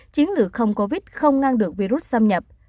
chiến lược không covid không ngăn được virus xâm nhập